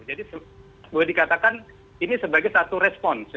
jadi boleh dikatakan ini sebagai satu respons